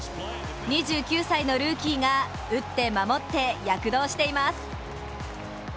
２９歳のルーキーが打って、守って躍動しています。